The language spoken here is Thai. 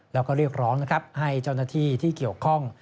แล้วก็เรียกร้องนะครับให้เจ้าหน้าที่ที่เกี่ยวข้อง